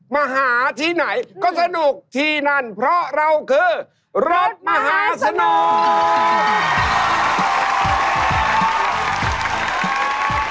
มาหาที่ไหนก็สนุกที่นั่นเพราะเราคือรถมหาสนุก